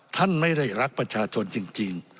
ท่านไม่ได้รักประชาชนจริง